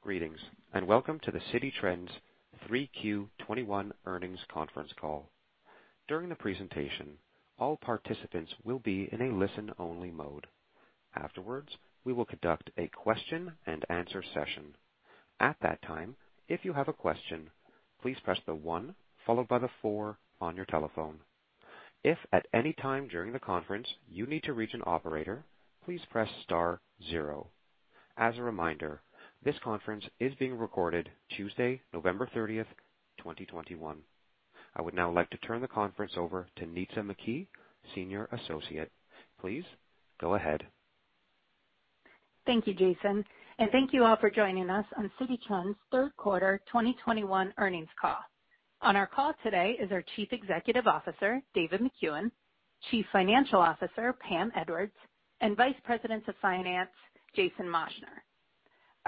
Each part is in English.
Greetings, and welcome to the Citi Trends 3Q 2021 earnings conference call. During the presentation, all participants will be in a listen-only mode. Afterwards, we will conduct a question-and-answer session. At that time, if you have a question, please press the one followed by the four on your telephone. If at any time during the conference you need to reach an operator, please press star zero. As a reminder, this conference is being recorded Tuesday, November 30, 2021. I would now like to turn the conference over to Nitza McKee, Senior Associate. Please go ahead. Thank you, Jason, and thank you all for joining us on Citi Trends third quarter 2021 earnings call. On our call today is our Chief Executive Officer, David Makuen, Chief Financial Officer, Heather Plutino, and Vice President of Finance, Jason Moschner.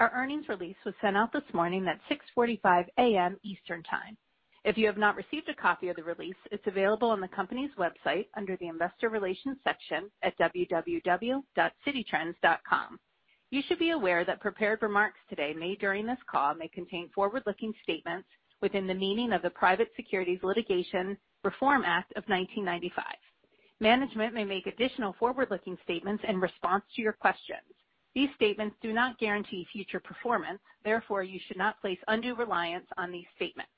Our earnings release was sent out this morning at 6:45 A.M. Eastern Time. If you have not received a copy of the release, it's available on the company's website under the Investor Relations section at www.cititrends.com. You should be aware that prepared remarks today made during this call may contain forward-looking statements within the meaning of the Private Securities Litigation Reform Act of 1995. Management may make additional forward-looking statements in response to your questions. These statements do not guarantee future performance, therefore you should not place undue reliance on these statements.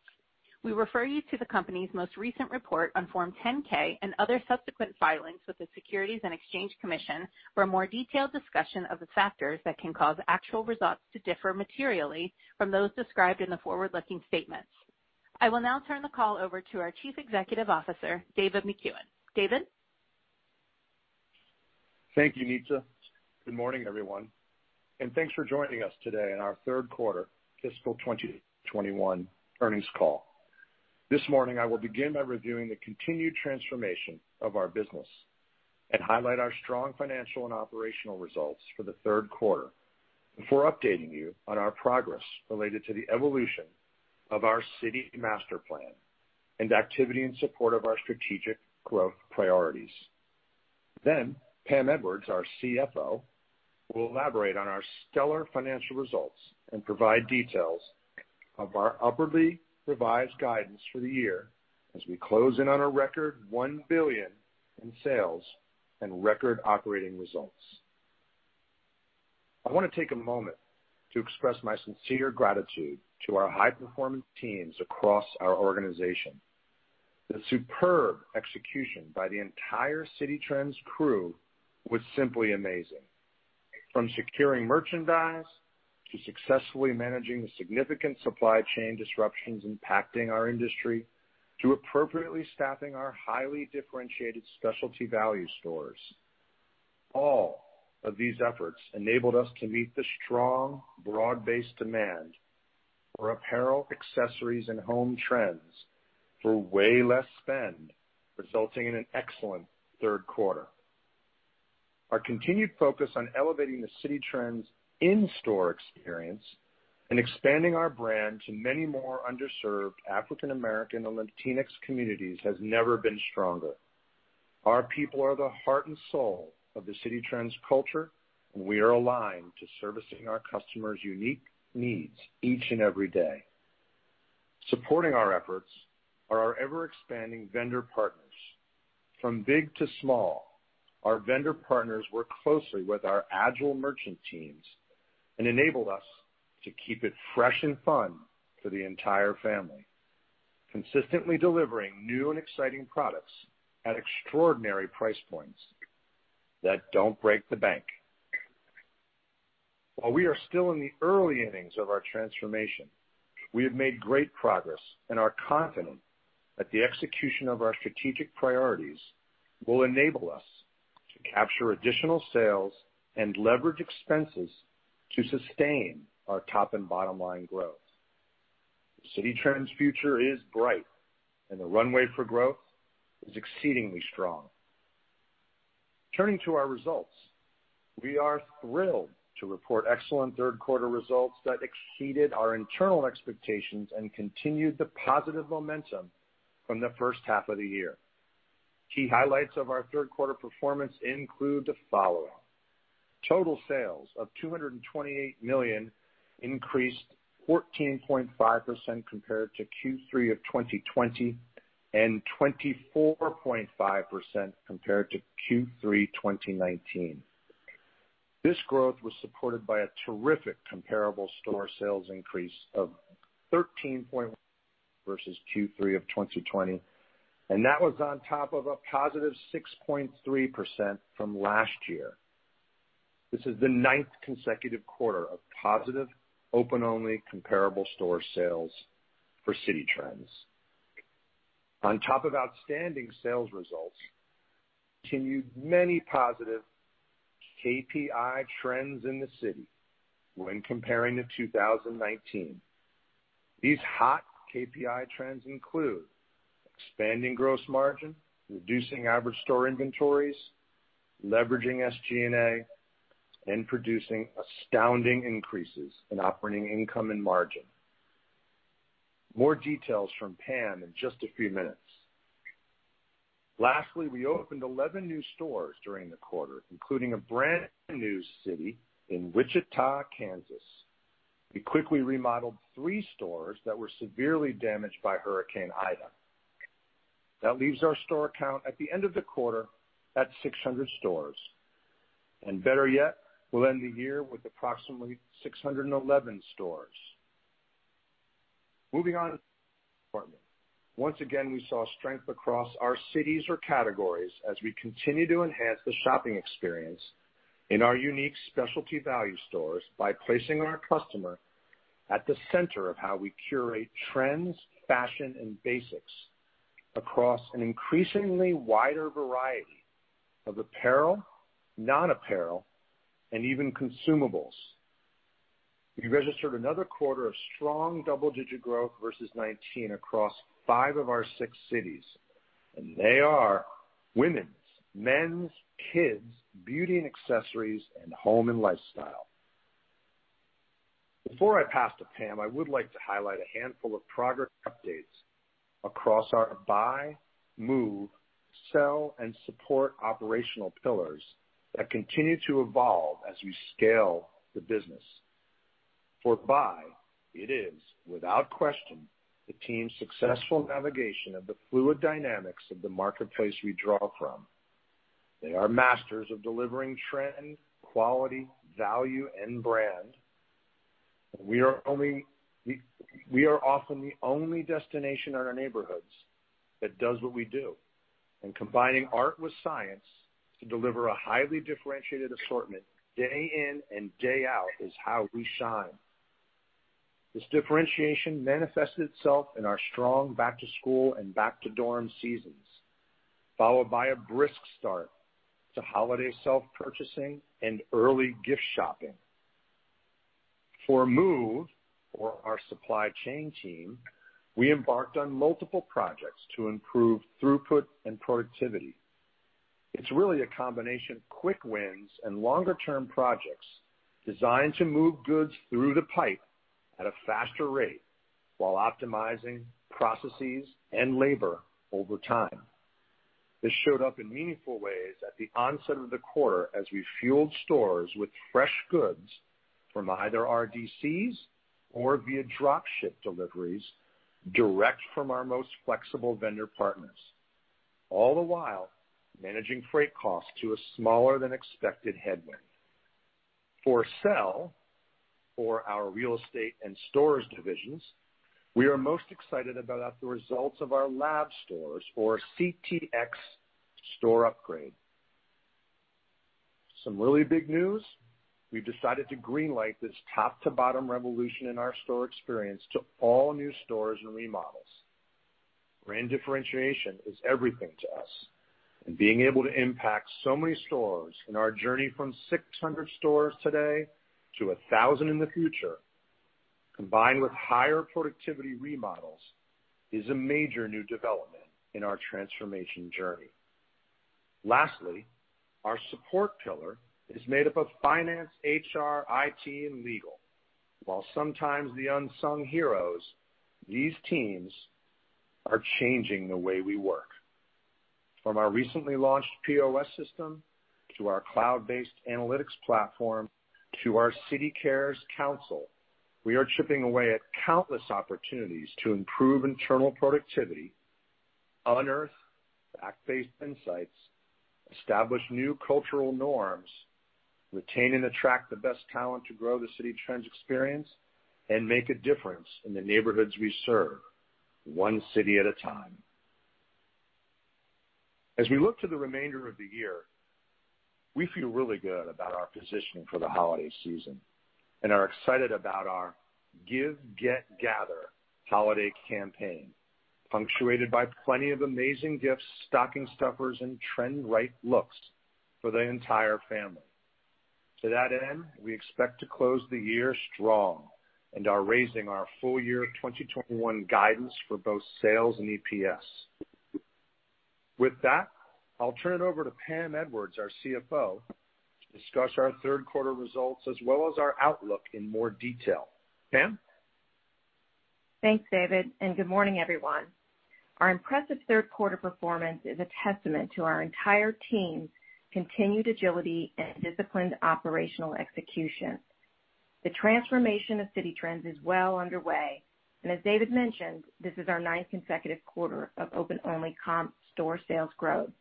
We refer you to the company's most recent report on Form 10-K and other subsequent filings with the Securities and Exchange Commission for a more detailed discussion of the factors that can cause actual results to differ materially from those described in the forward-looking statements. I will now turn the call over to our Chief Executive Officer, David Makuen. David? Thank you, Nitza. Good morning, everyone, and thanks for joining us today on our third quarter fiscal 2021 earnings call. This morning, I will begin by reviewing the continued transformation of our business and highlight our strong financial and operational results for the third quarter before updating you on our progress related to the evolution of our Citi Master Plan and activity in support of our strategic growth priorities. Heather Plutino, our CFO, will elaborate on our stellar financial results and provide details of our upwardly revised guidance for the year as we close in on a record $1 billion in sales and record operating results. I wanna take a moment to express my sincere gratitude to our high-performance teams across our organization. The superb execution by the entire Citi Trends crew was simply amazing. From securing merchandise to successfully managing the significant supply chain disruptions impacting our industry, to appropriately staffing our highly differentiated specialty value stores, all of these efforts enabled us to meet the strong, broad-based demand for apparel, accessories, and home trends for way less spend, resulting in an excellent third quarter. Our continued focus on elevating the Citi Trends in-store experience and expanding our brand to many more underserved African American and Latinx communities has never been stronger. Our people are the heart and soul of the Citi Trends culture, and we are aligned to servicing our customers' unique needs each and every day. Supporting our efforts are our ever-expanding vendor partners. From big to small, our vendor partners work closely with our agile merchant teams and enable us to keep it fresh and fun for the entire family, consistently delivering new and exciting products at extraordinary price points that don't break the bank. While we are still in the early innings of our transformation, we have made great progress and are confident that the execution of our strategic priorities will enable us to capture additional sales and leverage expenses to sustain our top and bottom line growth. Citi Trends' future is bright and the runway for growth is exceedingly strong. Turning to our results, we are thrilled to report excellent third quarter results that exceeded our internal expectations and continued the positive momentum from the first half of the year. Key highlights of our third quarter performance include the following. Total sales of $228 million increased 14.5% compared to Q3 of 2020, and 24.5% compared to Q3 2019. This growth was supported by a terrific comparable store sales increase of 13% versus Q3 of 2020, and that was on top of a positive 6.3% from last year. This is the ninth consecutive quarter of positive open-only comparable store sales for Citi Trends. On top of outstanding sales results, we continued many positive KPI trends at Citi Trends when comparing to 2019. These hot KPI trends include expanding gross margin, reducing average store inventories, leveraging SG&A, and producing astounding increases in operating income and margin. More details from Heather Plutino in just a few minutes. Lastly, we opened 11 new stores during the quarter, including a brand new store in Wichita, Kansas. We quickly remodeled three stores that were severely damaged by Hurricane Ida. That leaves our store count at the end of the quarter at 600 stores. Better yet, we'll end the year with approximately 611 stores. Moving on to the department. Once again, we saw strength across our categories as we continue to enhance the shopping experience in our unique specialty value stores by placing our customer at the center of how we curate trends, fashion, and basics across an increasingly wider variety of apparel, non-apparel, and even consumables. We registered another quarter of strong double-digit growth versus 2019 across five of our six categories, and they are women's, men's, kids, beauty and accessories, and home and lifestyle. Before I pass to Heather, I would like to highlight a handful of progress updates across our buy, move, sell, and support operational pillars that continue to evolve as we scale the business. For buy, it is, without question, the team's successful navigation of the fluid dynamics of the marketplace we draw from. They are masters of delivering trend, quality, value, and brand. We are often the only destination in our neighborhoods that does what we do. Combining art with science to deliver a highly differentiated assortment day in and day out is how we shine. This differentiation manifested itself in our strong back-to-school and back-to-dorm seasons, followed by a brisk start to holiday self-purchasing and early gift shopping. For move, for our supply chain team, we embarked on multiple projects to improve throughput and productivity. It's really a combination of quick wins and longer-term projects designed to move goods through the pipe at a faster rate while optimizing processes and labor over time. This showed up in meaningful ways at the onset of the quarter as we fueled stores with fresh goods from either RDCs or via drop ship deliveries direct from our most flexible vendor partners, all the while managing freight costs to a smaller than expected headwind. For our real estate and stores divisions, we are most excited about the results of our lab stores for CTx store upgrade. Some really big news, we've decided to green light this top to bottom revolution in our store experience to all new stores and remodels. Brand differentiation is everything to us, and being able to impact so many stores in our journey from 600 stores today to 1,000 in the future, combined with higher productivity remodels, is a major new development in our transformation journey. Lastly, our support pillar is made up of finance, HR, IT, and legal. While sometimes the unsung heroes, these teams are changing the way we work. From our recently launched POS system to our cloud-based analytics platform to our CITIcares Council, we are chipping away at countless opportunities to improve internal productivity, unearth fact-based insights, establish new cultural norms, retain and attract the best talent to grow the Citi Trends experience, and make a difference in the neighborhoods we serve one city at a time. As we look to the remainder of the year, we feel really good about our positioning for the holiday season and are excited about our Give. Get. Gather. holiday campaign, punctuated by plenty of amazing gifts, stocking stuffers, and trend right looks for the entire family. To that end, we expect to close the year strong and are raising our full year 2021 guidance for both sales and EPS. With that, I'll turn it over to Heather Plutino, our CFO, to discuss our third quarter results as well as our outlook in more detail. Heather? Thanks, David, and good morning, everyone. Our impressive third quarter performance is a testament to our entire team's continued agility and disciplined operational execution. The transformation of Citi Trends is well underway. As David mentioned, this is our ninth consecutive quarter of open only comp store sales growth.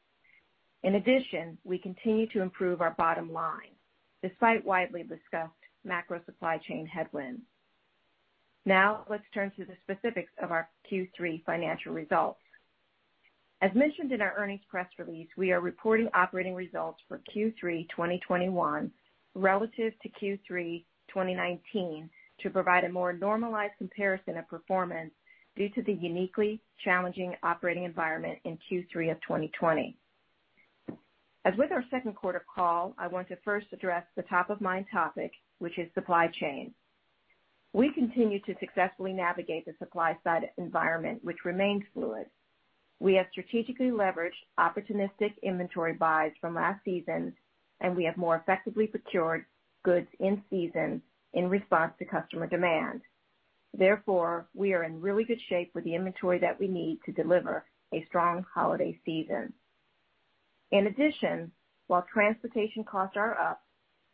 In addition, we continue to improve our bottom line despite widely discussed macro supply chain headwinds. Now let's turn to the specifics of our Q3 financial results. As mentioned in our earnings press release, we are reporting operating results for Q3 2021 relative to Q3 2019 to provide a more normalized comparison of performance due to the uniquely challenging operating environment in Q3 of 2020. As with our second quarter call, I want to first address the top of mind topic, which is supply chain. We continue to successfully navigate the supply side environment, which remains fluid. We have strategically leveraged opportunistic inventory buys from last season, and we have more effectively procured goods in season in response to customer demand. Therefore, we are in really good shape with the inventory that we need to deliver a strong holiday season. In addition, while transportation costs are up,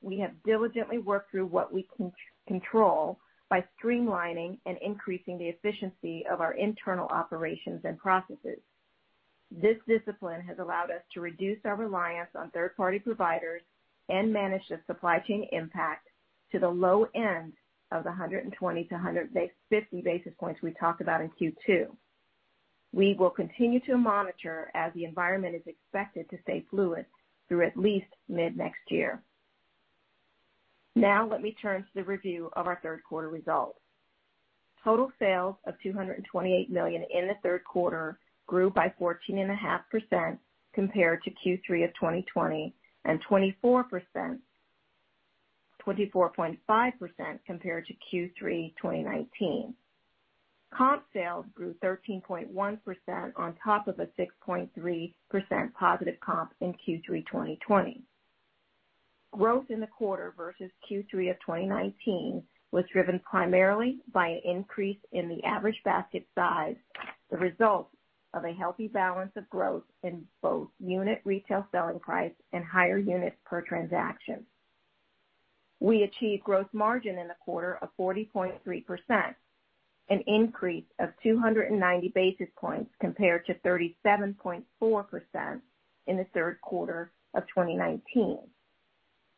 we have diligently worked through what we can control by streamlining and increasing the efficiency of our internal operations and processes. This discipline has allowed us to reduce our reliance on third-party providers and manage the supply chain impact to the low end of the 120-150 basis points we talked about in Q2. We will continue to monitor as the environment is expected to stay fluid through at least mid-next year. Now let me turn to the review of our third quarter results. Total sales of $228 million in the third quarter grew by 14.5% compared to Q3 2020, and 24.5% compared to Q3 2019. Comp sales grew 13.1% on top of a 6.3% positive comp in Q3 2020. Growth in the quarter versus Q3 2019 was driven primarily by an increase in the average basket size, the result of a healthy balance of growth in both unit retail selling price and higher units per transaction. We achieved gross margin in the quarter of 40.3%, an increase of 290 basis points compared to 37.4% in the third quarter of 2019.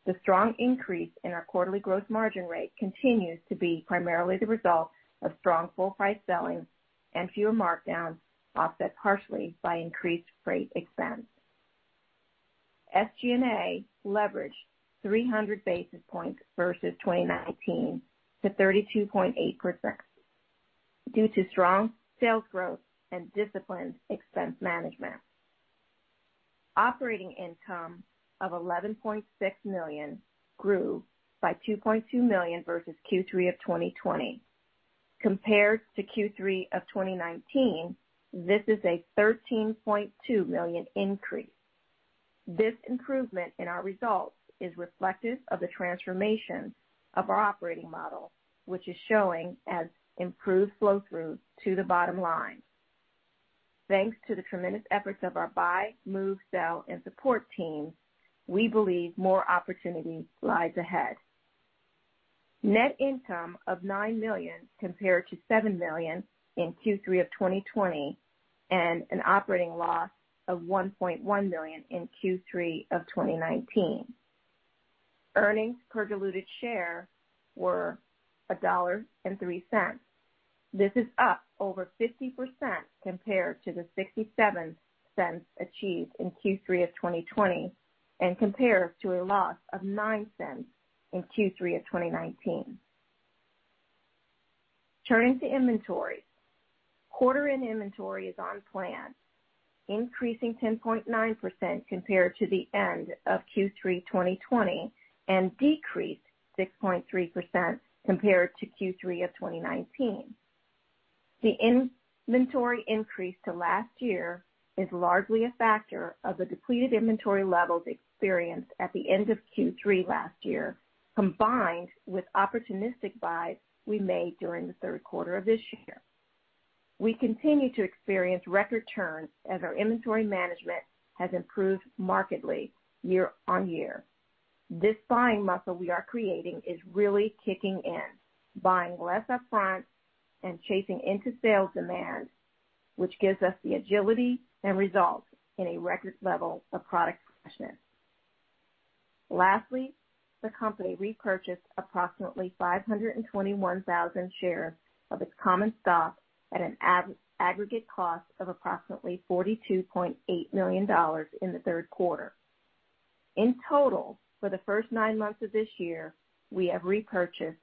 The strong increase in our quarterly gross margin rate continues to be primarily the result of strong full price selling and fewer markdowns, offset partially by increased freight expense. SG&A leveraged 300 basis points versus 2019 to 32.8% due to strong sales growth and disciplined expense management. Operating income of $11.6 million grew by $2.2 million versus Q3 of 2020. Compared to Q3 of 2019, this is a $13.2 million increase. This improvement in our results is reflective of the transformation of our operating model, which is showing as improved flow through to the bottom line. Thanks to the tremendous efforts of our buy, move, sell, and support teams, we believe more opportunity lies ahead. Net income of $9 million compared to $7 million in Q3 2020, and an operating loss of $1.1 million in Q3 2019. Earnings per diluted share were $1.03. This is up over 50% compared to the $0.67 achieved in Q3 2020, and compares to a loss of $0.09 in Q3 2019. Turning to inventory. Quarter-end inventory is on plan, increasing 10.9% compared to the end of Q3 2020, and decreased 6.3% compared to Q3 2019. The inventory increase to last year is largely a factor of the depleted inventory levels experienced at the end of Q3 last year, combined with opportunistic buys we made during the third quarter of this year. We continue to experience record turns as our inventory management has improved markedly year-over-year. This buying muscle we are creating is really kicking in, buying less upfront and chasing into sales demand, which gives us the agility and results in a record level of product freshness. Lastly, the company repurchased approximately 521,000 shares of its common stock at an aggregate cost of approximately $42.8 million in the third quarter. In total, for the first nine months of this year, we have repurchased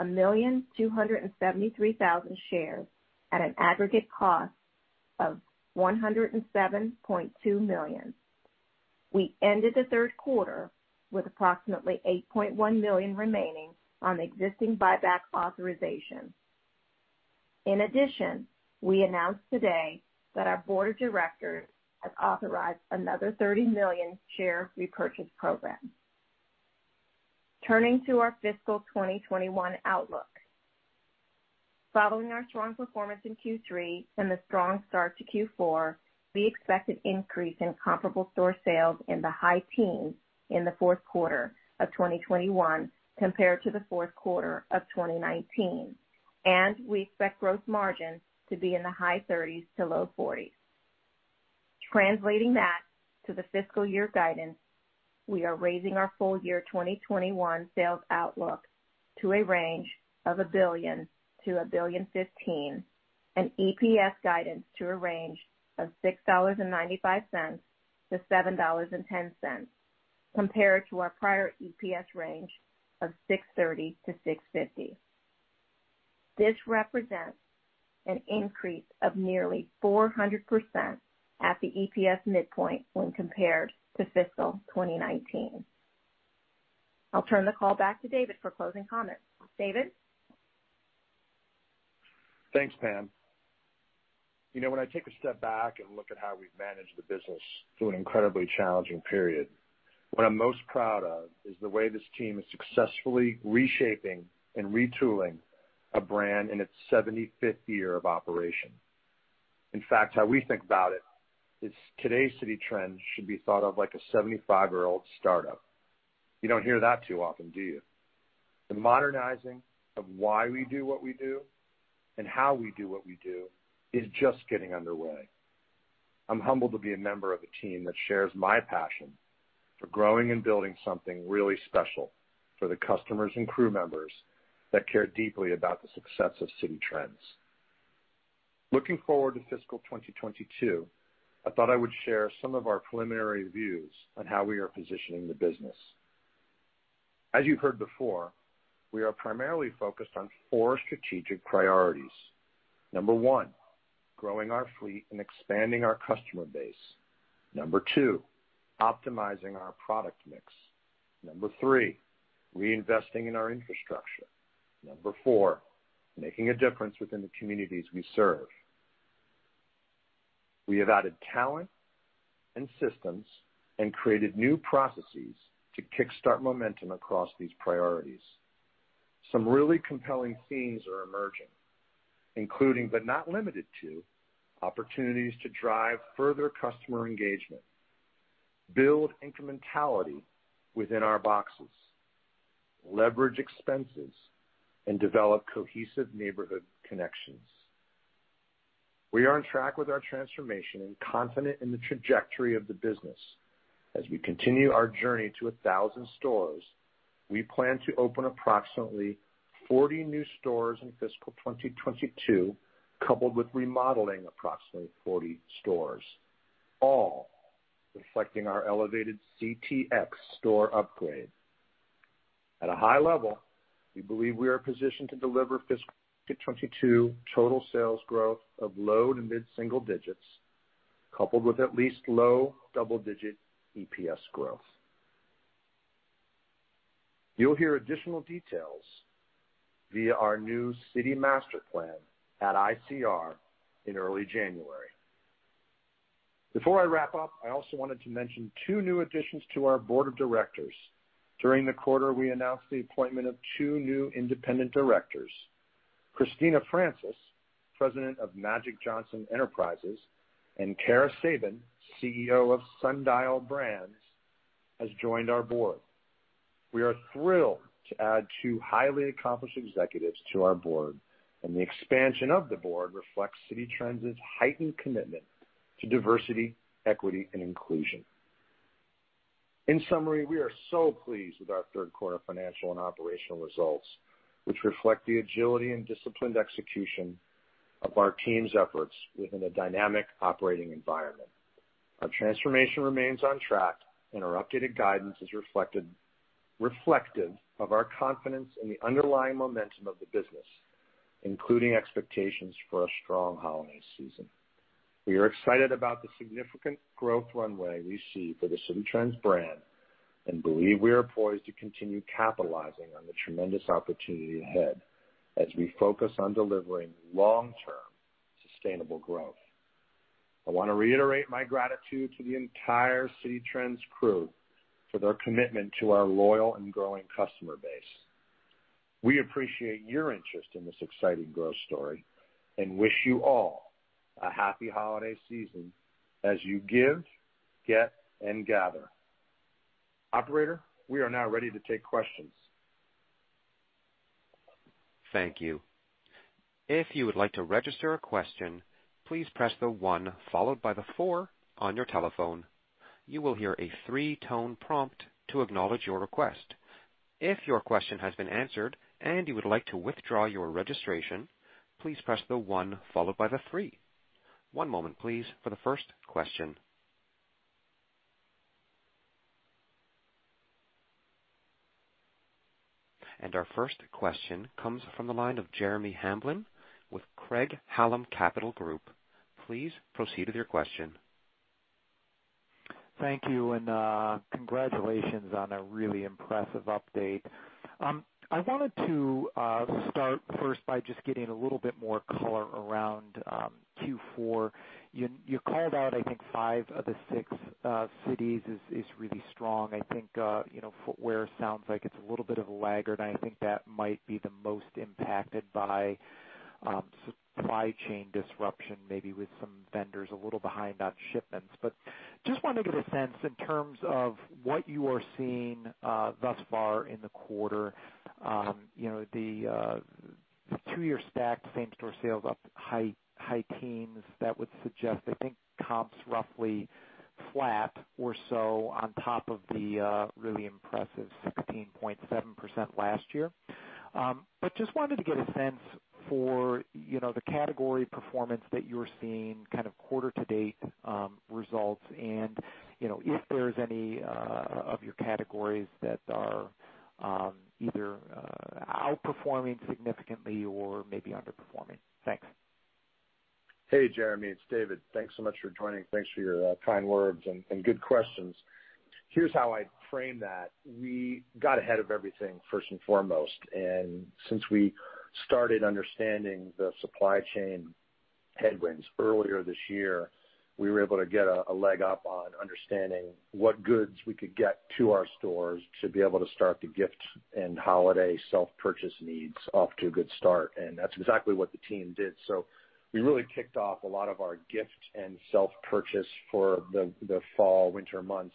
1,273,000 shares at an aggregate cost of $107.2 million. We ended the third quarter with approximately 8.1 million remaining on existing buyback authorization. In addition, we announced today that our Board of Directors has authorized another 30 million share repurchase program. Turning to our fiscal 2021 outlook. Following our strong performance in Q3 and the strong start to Q4, we expect an increase in comparable store sales in the high teens in the fourth quarter of 2021 compared to the fourth quarter of 2019, and we expect gross margins to be in the high 30s-low 40s. Translating that to the fiscal year guidance, we are raising our full-year 2021 sales outlook to a range of $1 billion-$1.015 billion, and EPS guidance to a range of $6.95-$7.10, compared to our prior EPS range of $6.30-$6.50. This represents an increase of nearly 400% at the EPS midpoint when compared to fiscal 2019. I'll turn the call back to David for closing comments. David? Thanks, Heather. You know, when I take a step back and look at how we've managed the business through an incredibly challenging period, what I'm most proud of is the way this team is successfully reshaping and retooling a brand in its 75th year of operation. In fact, how we think about it is today's Citi Trends should be thought of like a 75-year-old startup. You don't hear that too often, do you? The modernizing of why we do what we do and how we do what we do is just getting underway. I'm humbled to be a member of a team that shares my passion for growing and building something really special for the customers and crew members that care deeply about the success of Citi Trends. Looking forward to fiscal 2022, I thought I would share some of our preliminary views on how we are positioning the business. As you heard before, we are primarily focused on four strategic priorities. One, growing our fleet and expanding our customer base. Two, optimizing our product mix. Three, reinvesting in our infrastructure. Four, making a difference within the communities we serve. We have added talent and systems and created new processes to kickstart momentum across these priorities. Some really compelling themes are emerging, including, but not limited to, opportunities to drive further customer engagement, build incrementality within our boxes, leverage expenses, and develop cohesive neighborhood connections. We are on track with our transformation and confident in the trajectory of the business. As we continue our journey to 1,000 stores, we plan to open approximately 40 new stores in fiscal 2022, coupled with remodeling approximately 40 stores, all reflecting our elevated CTx store upgrade. At a high level, we believe we are positioned to deliver fiscal 2022 total sales growth of low- to mid-single digits, coupled with at least low double-digit EPS growth. You'll hear additional details via our new Citi Master Plan at ICR in early January. Before I wrap up, I also wanted to mention two new additions to our Board of Directors. During the quarter, we announced the appointment of two new independent directors, Christina Francis, President of Magic Jonson Enterprises, and Cara Sabin, CEO of Sundial Brands, has joined our Board. We are thrilled to add two highly accomplished executives to our Board, and the expansion of the Board reflects Citi Trends' heightened commitment to diversity, equity, and inclusion. In summary, we are so pleased with our third quarter financial and operational results, which reflect the agility and disciplined execution of our team's efforts within a dynamic operating environment. Our transformation remains on track, and our updated guidance is reflective of our confidence in the underlying momentum of the business, including expectations for a strong holiday season. We are excited about the significant growth runway we see for the Citi Trends brand and believe we are poised to continue capitalizing on the tremendous opportunity ahead as we focus on delivering long-term sustainable growth. I wanna reiterate my gratitude to the entire Citi Trends crew for their commitment to our loyal and growing customer base. We appreciate your interest in this exciting growth story and wish you all a happy holiday season as you Give, Get, and Gather. Operator, we are now ready to take questions. Our first question comes from the line of Jeremy Hamblin with Craig-Hallum Capital Group. Please proceed with your question. Thank you, congratulations on a really impressive update. I wanted to start first by just getting a little bit more color around Q4. You called out, I think, five of the six cities is really strong. I think you know, footwear sounds like it's a little bit of a laggard, and I think that might be the most impacted by supply chain disruption, maybe with some vendors a little behind on shipments. Just wanted to get a sense in terms of what you are seeing thus far in the quarter. You know, the two-year stacked same-store sales up high teens, that would suggest, I think, comps roughly flat or so on top of the really impressive 16.7% last year. Just wanted to get a sense for, you know, the category performance that you're seeing kind of quarter-to-date, results and, you know, if there's any of your categories that are either outperforming significantly or maybe underperforming? Thanks. Hey, Jeremy, it's David. Thanks so much for joining. Thanks for your kind words and good questions. Here's how I'd frame that. We got ahead of everything, first and foremost. Since we started understanding the supply chain headwinds earlier this year, we were able to get a leg up on understanding what goods we could get to our stores to be able to start the gift and holiday self-purchase needs off to a good start. That's exactly what the team did. We really kicked off a lot of our gift and self-purchase for the fall/winter months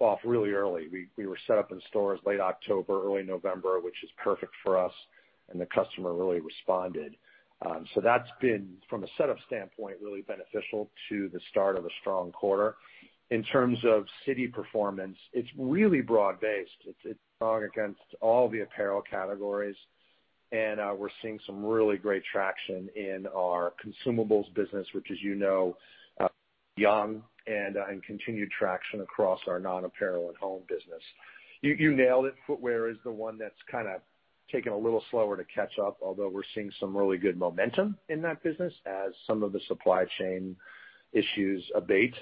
off really early. We were set up in stores late October, early November, which is perfect for us, and the customer really responded. That's been, from a setup standpoint, really beneficial to the start of a strong quarter. In terms of Citi performance, it's really broad-based. It's strong against all the apparel categories, and we're seeing some really great traction in our consumables business, which, as you know, along and continued traction across our non-apparel at home business. You nailed it. Footwear is the one that's kinda taken a little slower to catch up, although we're seeing some really good momentum in that business as some of the supply chain issues abate.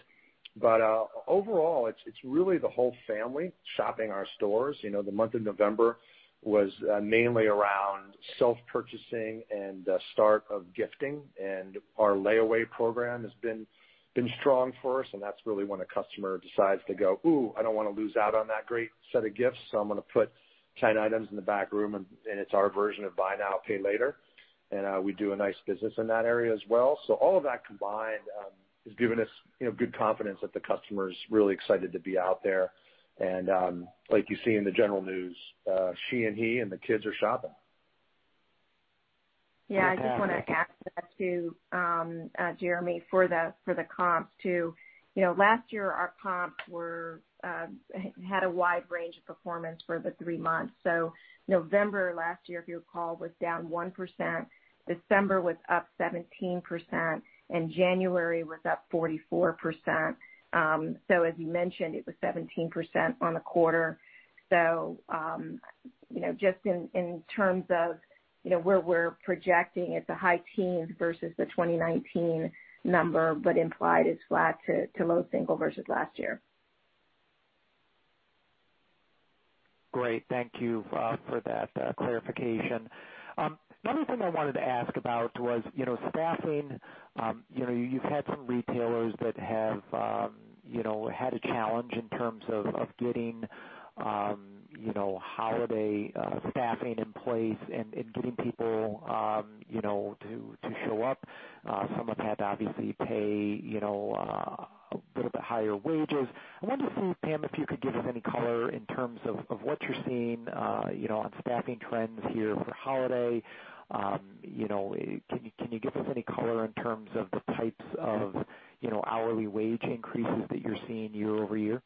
Overall it's really the whole family shopping our stores. You know, the month of November was mainly around self-purchasing and the start of gifting, and our layaway program has been strong for us, and that's really when a customer decides to go, "Ooh, I don't wanna lose out on that great set of gifts, so I'm gonna put 10 items in the back room," and it's our version of buy now, pay later. We do a nice business in that area as well. All of that combined has given us, you know, good confidence that the customer's really excited to be out there. Like you see in the general news, she and he and the kids are shopping. Yeah, I just wanna add to that too, Jeremy, for the comps too. You know, last year our comps had a wide range of performance for the three months. November last year, if you recall, was down 1%, December was up 17%, and January was up 44%. As you mentioned, it was 17% on the quarter. You know, just in terms of where we're projecting at the high teens versus the 2019 number, but implied is flat to low single versus last year. Great. Thank you for that clarification. The other thing I wanted to ask about was, you know, staffing. You know, you've had some retailers that have, you know, had a challenge in terms of getting, you know, holiday staffing in place and getting people, you know, to show up. Some have had to obviously pay, you know, a little bit higher wages. I wanted to see, Heather, if you could give us any color in terms of what you're seeing, you know, on staffing trends here for holiday. You know, can you give us any color in terms of the types of, you know, hourly wage increases that you're seeing year-over-year?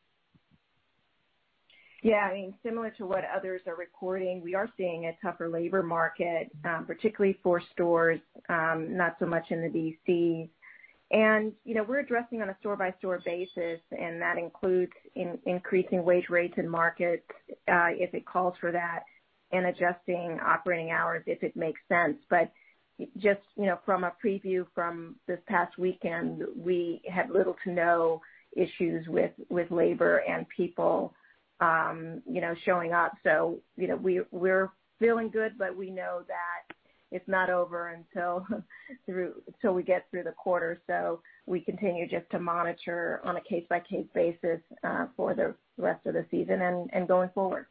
Yeah. I mean, similar to what others are reporting, we are seeing a tougher labor market, particularly for stores, not so much in the DCs. You know, we're addressing on a store-by-store basis, and that includes increasing wage rates in markets, if it calls for that, and adjusting operating hours if it makes sense. Just, you know, from a preview from this past weekend, we had little to no issues with labor and people, you know, showing up. You know, we're feeling good, but we know that it's not over till we get through the quarter. We continue just to monitor on a case-by-case basis, for the rest of the season and going forward.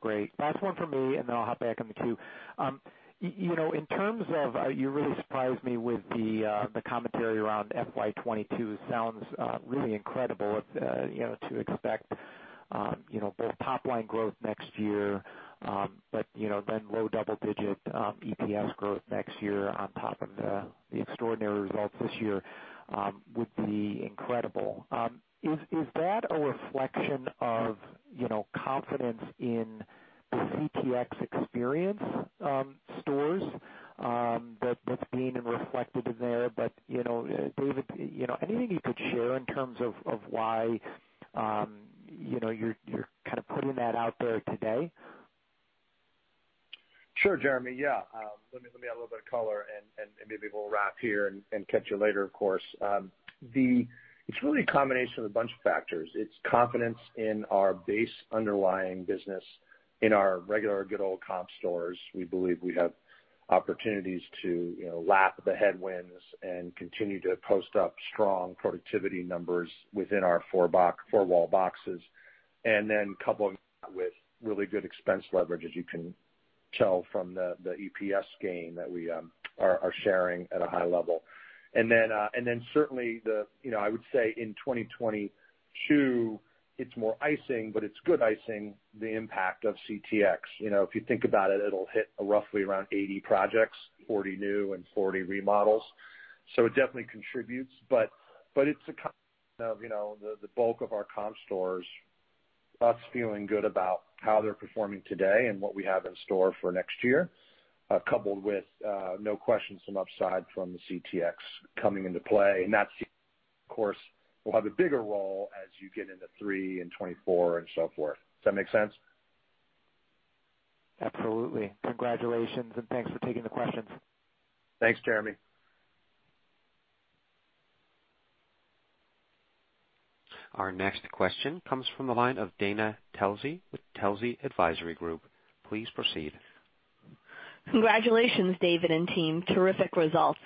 Great. Last one for me, and then I'll hop back on the queue. You know, in terms of, you really surprised me with the commentary around FY 2022. Sounds really incredible, you know, to expect, you know, both top-line growth next year, but, you know, then low double-digit EPS growth next year on top of the extraordinary results this year, would be incredible. Is that a reflection of, you know, confidence in the CTx experience stores, that that's being reflected in there? You know, David, you know, anything you could share in terms of why, you know, you're kinda putting that out there today? Sure, Jeremy. Yeah. Let me add a little bit of color and maybe we'll wrap here and catch you later, of course. It's really a combination of a bunch of factors. It's confidence in our base underlying business in our regular good old comp stores. We believe we have opportunities to, you know, lap the headwinds and continue to post up strong productivity numbers within our four wall boxes. Then coupling that with really good expense leverage, as you can tell from the EPS gain that we are sharing at a high level. Then certainly, you know, I would say in 2022, it's more icing, but it's good icing, the impact of CTx. You know, if you think about it'll hit roughly around 80 projects, 40 new and 40 remodels. It definitely contributes. It's a combination of, you know, the bulk of our comp stores, us feeling good about how they're performing today and what we have in store for next year, coupled with no question some upside from the CTx coming into play. That, of course, will have a bigger role as you get into 2023 and 2024 and so forth. Does that make sense? Absolutely. Congratulations and thanks for taking the questions. Thanks, Jeremy. Our next question comes from the line of Dana Telsey with Telsey Advisory Group. Please proceed. Congratulations, David and team. Terrific results.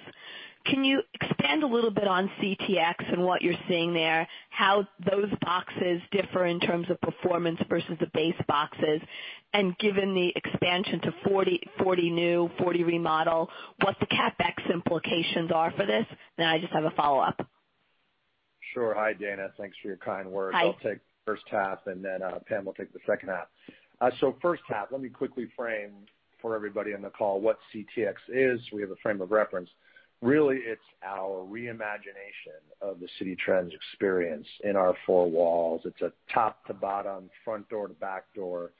Can you expand a little bit on CTx and what you're seeing there, how those boxes differ in terms of performance versus the base boxes? Given the expansion to 40 new, 40 remodel, what the CapEx implications are for this? I just have a follow-up. Sure. Hi, Dana. Thanks for your kind words. Hi. I'll take the first half, and then Heather will take the second half. First half, let me quickly frame for everybody on the call what CTx is, so we have a frame of reference. Really, it's our reimagination of the Citi Trends experience in our four walls. It's a top to bottom, front door to back door,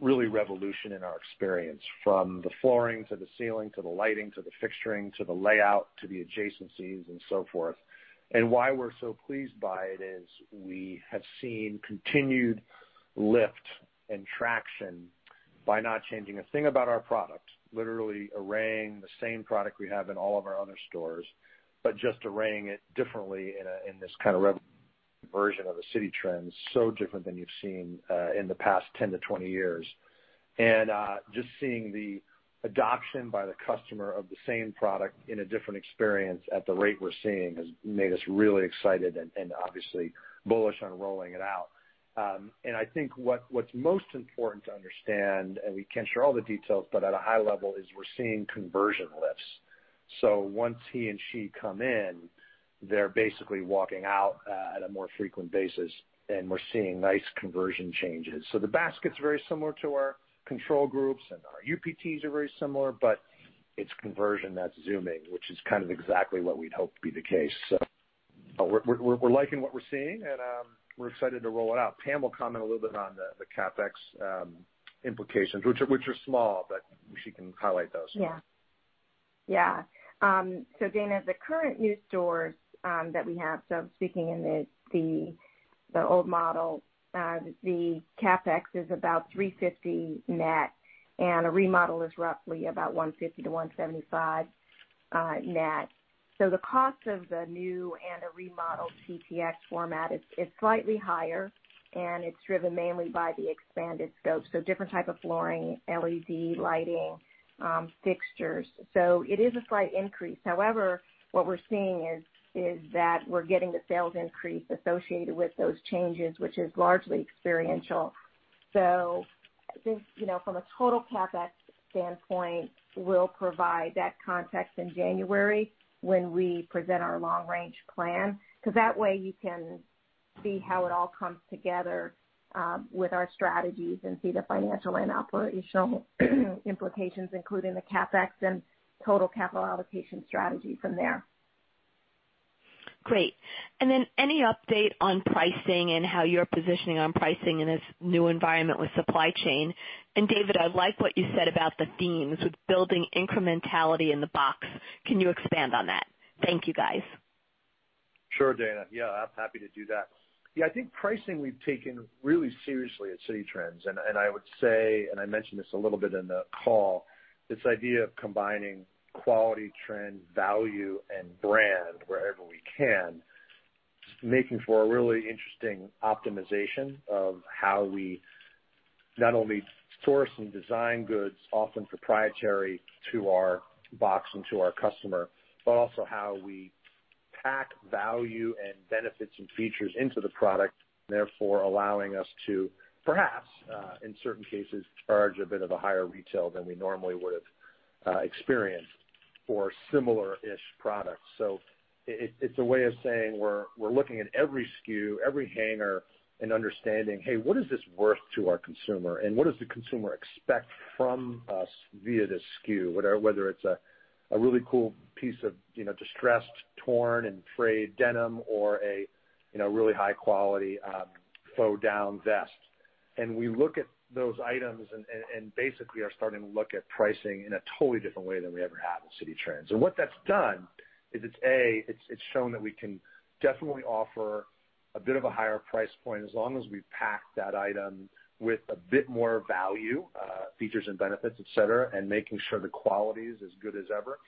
really revolution in our experience from the flooring to the ceiling to the lighting to the fixturing to the layout to the adjacencies and so forth. Why we're so pleased by it is we have seen continued lift and traction by not changing a thing about our product, literally arraying the same product we have in all of our other stores, but just arraying it differently in this kind of re-version of a Citi Trends, so different than you've seen in the past 10-20 years. Just seeing the adoption by the customer of the same product in a different experience at the rate we're seeing has made us really excited and obviously bullish on rolling it out. I think what's most important to understand, and we can't share all the details, but at a high level, is we're seeing conversion lifts. Once he and she come in, they're basically walking out at a more frequent basis, and we're seeing nice conversion changes. The basket's very similar to our control groups, and our UPTs are very similar, but it's conversion that's zooming, which is kind of exactly what we'd hoped to be the case. We're liking what we're seeing and we're excited to roll it out. Heather will comment a little bit on the CapEx implications, which are small, but she can highlight those. Yeah. Yeah. Dana, the current new stores that we have, speaking in the old model, the CapEx is about $350 net, and a remodel is roughly about $150-$175 net. The cost of the new and a remodeled CTx format is slightly higher, and it's driven mainly by the expanded scope, different type of flooring, LED lighting, fixtures. It is a slight increase. However, what we're seeing is that we're getting the sales increase associated with those changes, which is largely experiential. I think, you know, from a total CapEx standpoint, we'll provide that context in January when we present our long range plan, because that way you can see how it all comes together, with our strategies and see the financial and operational implications, including the CapEx and total capital allocation strategy from there. Great. Then any update on pricing and how you're positioning on pricing in this new environment with supply chain? David, I like what you said about the themes with building incrementality in the box. Can you expand on that? Thank you, guys. Sure, Dana. Yeah, I'm happy to do that. Yeah, I think pricing we've taken really seriously at Citi Trends, and I would say I mentioned this a little bit in the call, this idea of combining quality, trend, value and brand wherever we can, making for a really interesting optimization of how we not only source and design goods, often proprietary to our box and to our customer, but also how we pack value and benefits and features into the product, therefore allowing us to perhaps in certain cases charge a bit of a higher retail than we normally would have experienced for similar-ish products. It's a way of saying we're looking at every SKU, every hanger and understanding, hey, what is this worth to our consumer, and what does the consumer expect from us via this SKU, whether it's a really cool piece of, you know, distressed, torn and frayed denim or a, you know, really high quality faux down vest. We look at those items and basically are starting to look at pricing in a totally different way than we ever have at Citi Trends. What that's done is it's shown that we can definitely offer a bit of a higher price point as long as we pack that item with a bit more value, features and benefits, et cetera, and making sure the quality is as good as ever.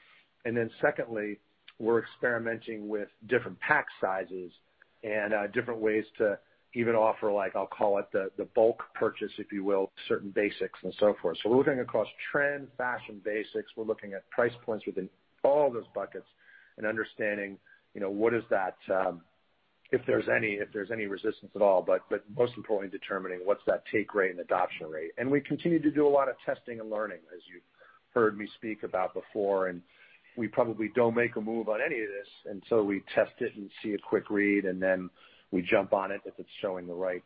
Then secondly, we're experimenting with different pack sizes and different ways to even offer, like I'll call it the bulk purchase, if you will, certain basics and so forth. We're looking across trend, fashion, basics. We're looking at price points within all those buckets and understanding, you know, what is that, if there's any resistance at all, but most importantly, determining what's that take rate and adoption rate. We continue to do a lot of testing and learning, as you've heard me speak about before, and we probably don't make a move on any of this until we test it and see a quick read, and then we jump on it if it's showing the right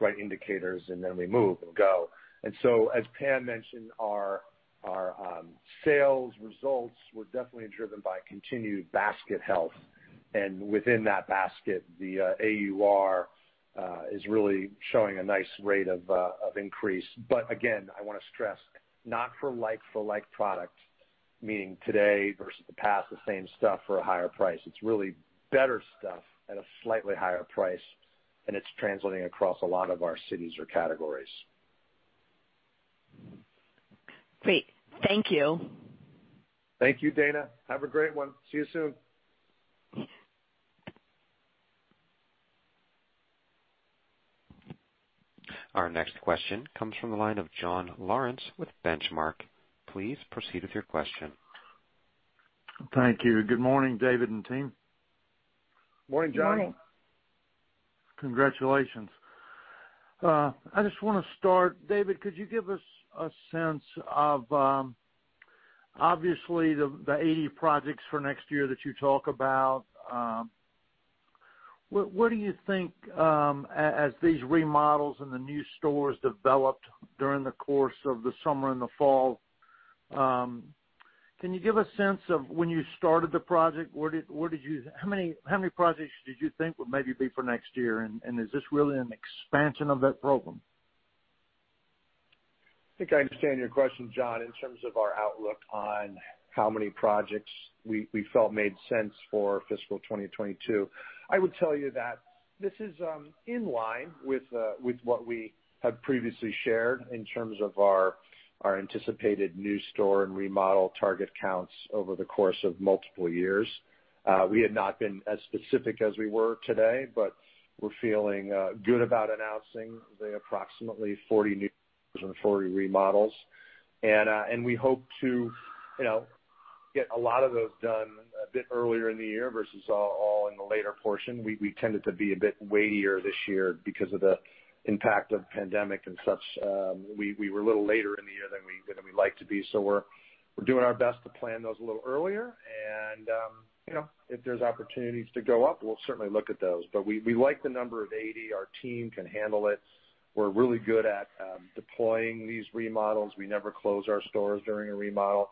right indicators, and then we move and go. As Heather mentioned, our sales results were definitely driven by continued basket health. Within that basket, the AUR is really showing a nice rate of increase. Again, I wanna stress not for like-for-like product. Meaning today versus the past, the same stuff for a higher price. It's really better stuff at a slightly higher price, and it's translating across a lot of our cities or categories. Great. Thank you. Thank you, Dana. Have a great one. See you soon. Our next question comes from the line of Jon Lawrence with Benchmark. Please proceed with your question. Thank you. Good morning, David and team. Morning, Jon. Morning. Congratulations. I just wanna start. David, could you give us a sense of, obviously, the 80 projects for next year that you talk about. What do you think as these remodels and the new stores developed during the course of the summer and the fall. Can you give a sense of when you started the project, how many projects did you think would maybe be for next year? Is this really an expansion of that program? I think I understand your question, Jon, in terms of our outlook on how many projects we felt made sense for fiscal 2022. I would tell you that this is in line with what we have previously shared in terms of our anticipated new store and remodel target counts over the course of multiple years. We had not been as specific as we were today, but we're feeling good about announcing the approximately 40 new stores and 40 remodels. We hope to get a lot of those done a bit earlier in the year versus all in the later portion. We tended to be a bit weightier this year because of the impact of pandemic and such. We were a little later in the year than we like to be. We're doing our best to plan those a little earlier. You know, if there's opportunities to go up, we'll certainly look at those. We like the number of 80. Our team can handle it. We're really good at deploying these remodels. We never close our stores during a remodel,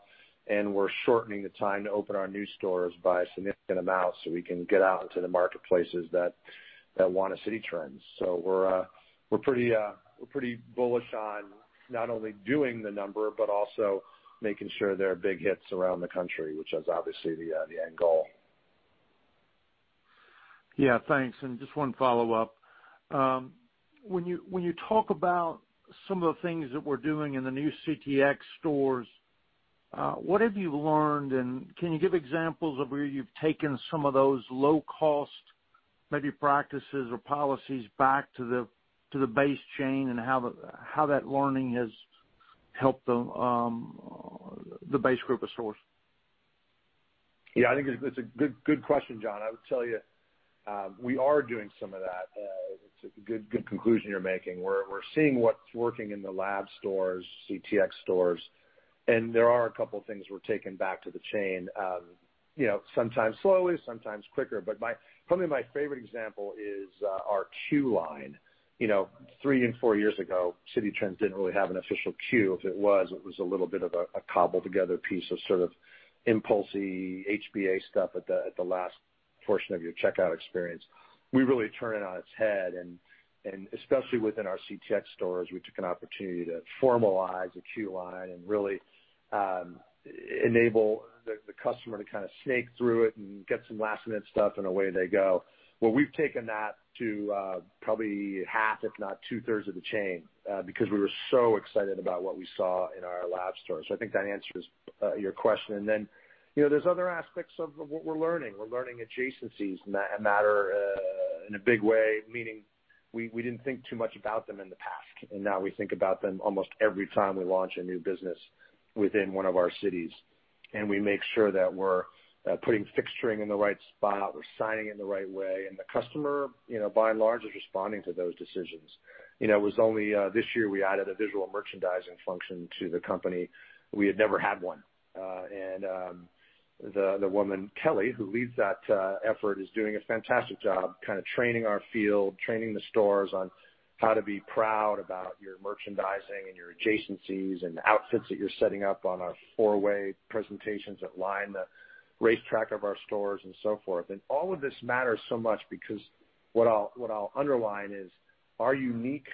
and we're shortening the time to open our new stores by a significant amount so we can get out into the marketplaces that want a Citi Trends. We're pretty bullish on not only doing the number, but also making sure there are big hits around the country, which is obviously the end goal. Yeah, thanks. Just one follow-up. When you talk about some of the things that we're doing in the new CTx stores, what have you learned? Can you give examples of where you've taken some of those low cost, maybe practices or policies back to the base chain and how that learning has helped the base group of stores? Yeah, I think it's a good question, Jon. I would tell you, we are doing some of that. It's a good conclusion you're making. We're seeing what's working in the lab stores, CTx stores, and there are a couple things we're taking back to the chain, you know, sometimes slowly, sometimes quicker. Probably my favorite example is our queue line. You know, three and four years ago, Citi Trends didn't really have an official queue. If it was a little bit of a cobble together piece of sort of impulse HBA stuff at the last portion of your checkout experience. We really turn it on its head and especially within our CTx stores, we took an opportunity to formalize a queue line and really enable the customer to kinda snake through it and get some last minute stuff and away they go. Well, we've taken that to probably half, if not two thirds of the chain, because we were so excited about what we saw in our lab stores. I think that answers your question. Then, you know, there's other aspects of what we're learning. We're learning adjacencies matter in a big way, meaning we didn't think too much about them in the past, and now we think about them almost every time we launch a new business within one of our cities. We make sure that we're putting fixturing in the right spot. We're signing it in the right way. The customer, you know, by and large, is responding to those decisions. You know, it was only this year we added a visual merchandising function to the company. We had never had one. The woman, Kelly, who leads that effort, is doing a fantastic job kinda training our field, training the stores on how to be proud about your merchandising and your adjacencies and the outfits that you're setting up on our four-way presentations that line the racetrack of our stores and so forth. All of this matters so much because what I'll underline is our unique,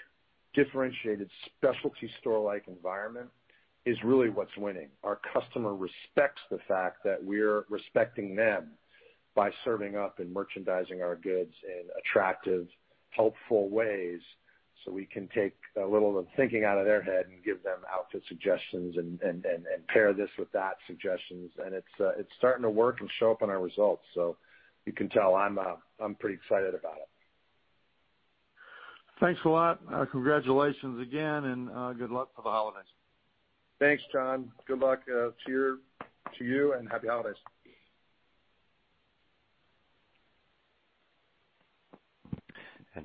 differentiated, specialty store-like environment is really what's winning. Our customer respects the fact that we're respecting them by serving up and merchandising our goods in attractive, helpful ways, so we can take a little of the thinking out of their head and give them outfit suggestions and pair this with that suggestions. It's starting to work and show up in our results. You can tell I'm pretty excited about it. Thanks a lot. Congratulations again, and good luck for the holidays. Thanks, Jon. Good luck to you, and happy holidays.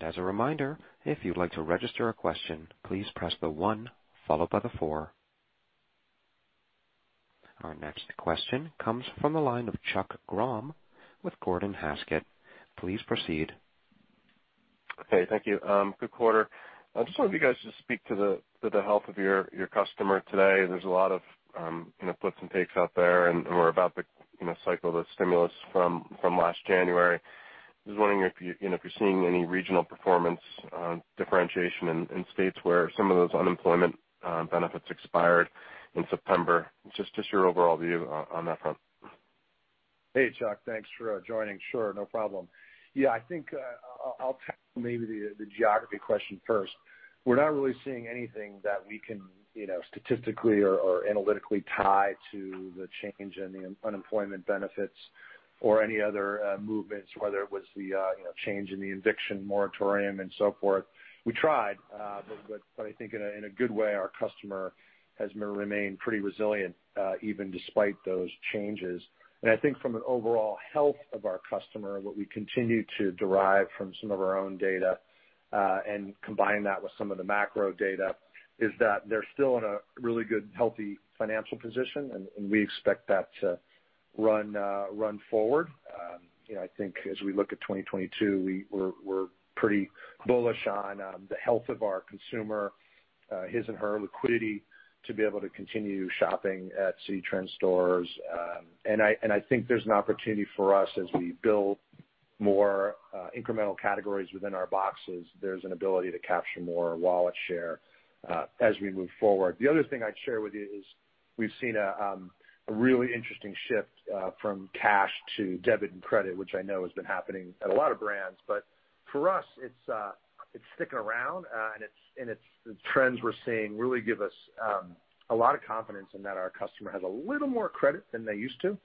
As a reminder, if you'd like to register a question, please press the one followed by the four. Our next question comes from the line of Chuck Grom with Gordon Haskett. Please proceed. Okay, thank you. Good quarter. I just wonder if you guys could speak to the health of your customer today. There's a lot of, you know, puts and takes out there, and we're about to, you know, cycle the stimulus from last January. Just wondering if you know, if you're seeing any regional performance differentiation in states where some of those unemployment benefits expired in September. Just your overall view on that front. Hey, Chuck, thanks for joining. Sure, no problem. Yeah, I think I'll tackle maybe the geography question first. We're not really seeing anything that we can, you know, statistically or analytically tie to the change in the unemployment benefits or any other movements, whether it was the, you know, change in the eviction moratorium and so forth. We tried, but I think in a good way, our customer has remained pretty resilient, even despite those changes. I think from an overall health of our customer, what we continue to derive from some of our own data, and combine that with some of the macro data, is that they're still in a really good, healthy financial position, and we expect that to run forward. You know, I think as we look at 2022, we're pretty bullish on the health of our consumer, his and her liquidity to be able to continue shopping at Citi Trends stores. I think there's an opportunity for us as we build more incremental categories within our boxes, there's an ability to capture more wallet share as we move forward. The other thing I'd share with you is we've seen a really interesting shift from cash to debit and credit, which I know has been happening at a lot of brands. For us, it's sticking around, and it's the trends we're seeing really give us a lot of confidence in that our customer has a little more credit than they used to.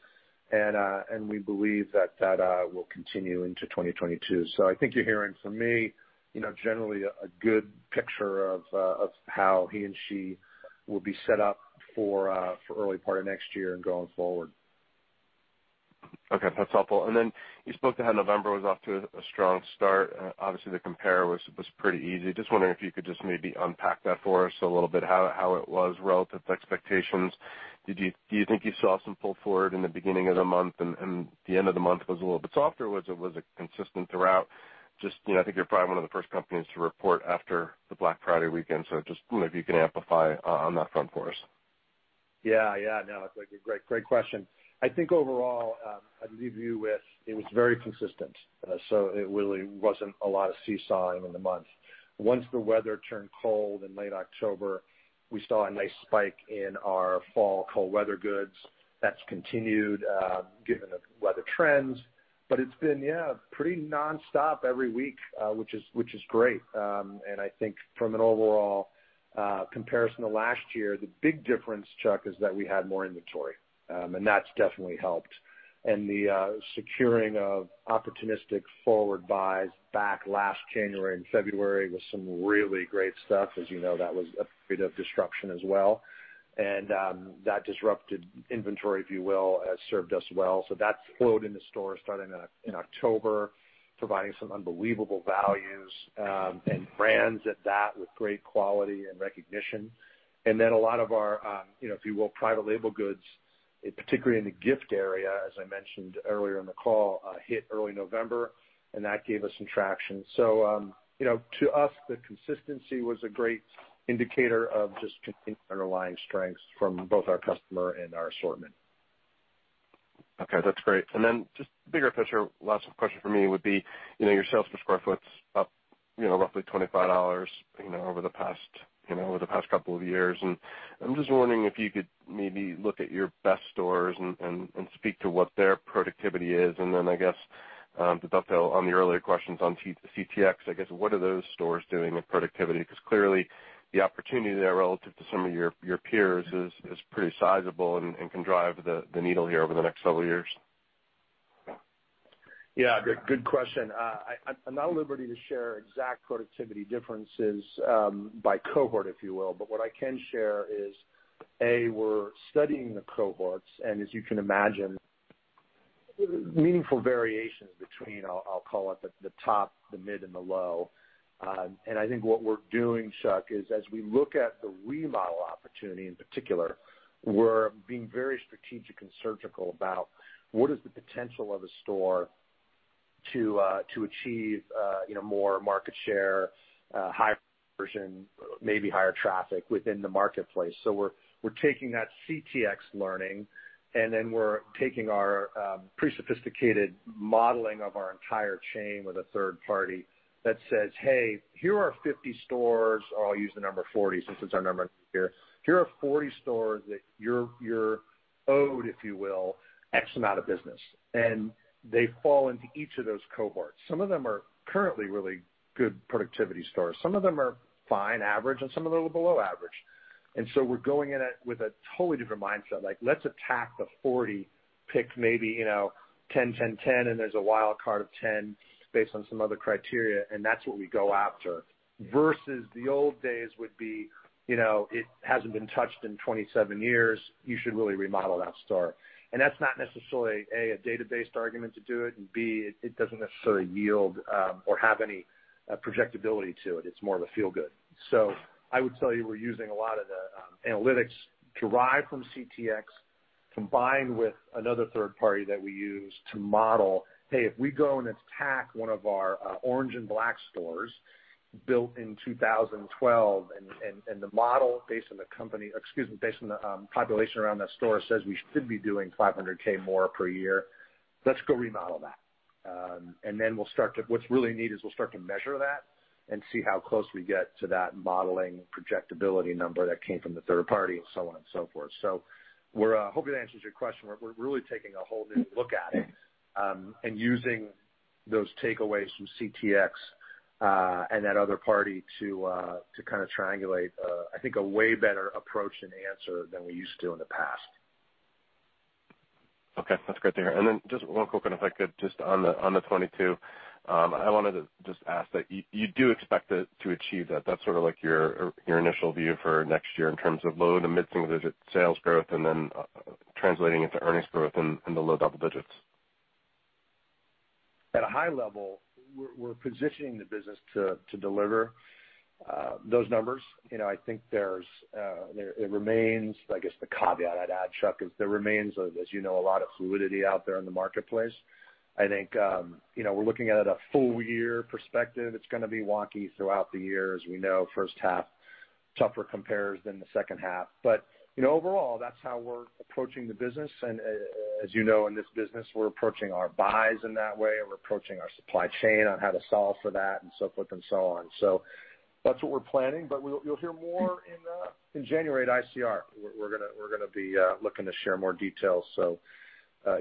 We believe that will continue into 2022. I think you're hearing from me, you know, generally a good picture of how he and she will be set up for early part of next year and going forward. Okay, that's helpful. Then you spoke to how November was off to a strong start. Obviously, the compare was pretty easy. Just wondering if you could just maybe unpack that for us a little bit, how it was relative to expectations. Do you think you saw some pull forward in the beginning of the month and the end of the month was a little bit softer? Was it consistent throughout? Just, you know, I think you're probably one of the first companies to report after the Black Friday weekend. Just wonder if you can amplify on that front for us. Yeah. No, great question. I think overall, I'd leave you with it was very consistent. So it really wasn't a lot of seesawing in the month. Once the weather turned cold in late October, we saw a nice spike in our fall cold weather goods. That's continued, given the weather trends. But it's been, yeah, pretty nonstop every week, which is great. I think from an overall comparison to last year, the big difference, Chuck, is that we had more inventory, and that's definitely helped. The securing of opportunistic forward buys back last January and February with some really great stuff. As you know, that was a bit of disruption as well. That disrupted inventory, if you will, has served us well. That's flowed into stores starting in October, providing some unbelievable values, and brands at that with great quality and recognition. Then a lot of our, you know, if you will, private label goods, particularly in the gift area, as I mentioned earlier in the call, hit early November, and that gave us some traction. You know, to us, the consistency was a great indicator of just continued underlying strengths from both our customer and our assortment. Okay, that's great. Just bigger picture, last question for me would be, you know, your sales per square foot's up, you know, roughly $25, you know, over the past, you know, over the past couple of years. I'm just wondering if you could maybe look at your best stores and speak to what their productivity is. Then I guess to dovetail on the earlier questions on CTx, I guess what are those stores doing with productivity? Because clearly the opportunity there relative to some of your peers is pretty sizable and can drive the needle here over the next several years. Yeah, good question. I'm not at liberty to share exact productivity differences by cohort, if you will, but what I can share is, A, we're studying the cohorts, and as you can imagine, meaningful variations between, I'll call it the top, the mid, and the low. I think what we're doing, Chuck, is as we look at the remodel opportunity in particular, we're being very strategic and surgical about what is the potential of a store to achieve, you know, more market share, high conversion, maybe higher traffic within the marketplace. We're taking that CTx learning, and then we're taking our pretty sophisticated modeling of our entire chain with a third-party that says, "Hey, here are 50 stores." I'll use the number 40 since it's our number here. Here are 40 stores that you're owed, if you will, X amount of business." They fall into each of those cohorts. Some of them are currently really good productivity stores. Some of them are fine, average, and some of them are below average. We're going in it with a totally different mindset, like let's attack the 40, pick maybe, you know, 10, 10, and there's a wild card of 10 based on some other criteria, and that's what we go after. Versus the old days would be, you know, it hasn't been touched in 27 years, you should really remodel that store. That's not necessarily, A, a data-based argument to do it, and B, it doesn't necessarily yield or have any projectability to it. It's more of a feel good. I would tell you we're using a lot of the analytics derived from CTx, combined with another third party that we use to model, hey, if we go and attack one of our orange and black stores built in 2012 and the model based on the population around that store says we should be doing $500K more per year. Let's go remodel that. What's really neat is we'll start to measure that and see how close we get to that modeling projectability number that came from the third party and so on and so forth. We're hoping it answers your question. We're really taking a whole new look at it and using those takeaways from CTx and that other party to kinda triangulate. I think a way better approach and answer than we used to in the past. Okay, that's great to hear. Then just one quick one if I could, just on the 22. I wanted to just ask that you do expect it to achieve that. That's sort of like your initial view for next year in terms of low- to mid-single-digit sales growth and then translating into earnings growth in the low double digits. At a high level, we're positioning the business to deliver those numbers. You know, I think there remains, I guess, the caveat I'd add, Chuck, is there remains, as you know, a lot of fluidity out there in the marketplace. I think, you know, we're looking at it from a full-year perspective. It's gonna be wonky throughout the year, as we know, first half tougher compares than the second half. You know, overall, that's how we're approaching the business. As you know, in this business, we're approaching our buys in that way, and we're approaching our supply chain on how to solve for that and so forth and so on. That's what we're planning, but you'll hear more in January at ICR. We're gonna be looking to share more details so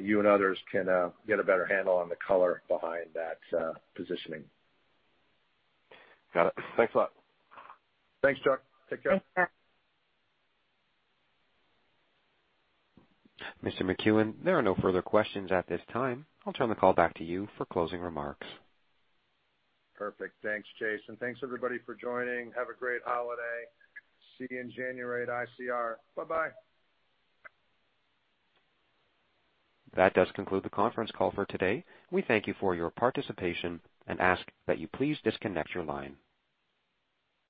you and others can get a better handle on the color behind that positioning. Got it. Thanks a lot. Thanks, Chuck. Take care. Thanks, Chuck. Mr. Makuen, there are no further questions at this time. I'll turn the call back to you for closing remarks. Perfect. Thanks, Jason. Thanks everybody for joining. Have a great holiday. See you in January at ICR. Bye-bye. That does conclude the conference call for today. We thank you for your participation and ask that you please disconnect your line.